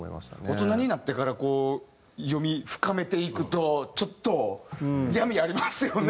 大人になってからこう読み深めていくとちょっと闇ありますよね。